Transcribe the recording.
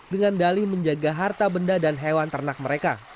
dengan dali menjaga harta benda dan hewan ternak mereka